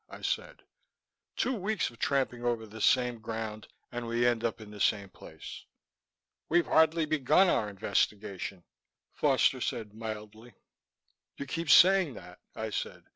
I said. "Two weeks of tramping over the same ground, and we end up in the same place." "We've hardly begun our investigation," Foster said mildly. "You keep saying that," I said.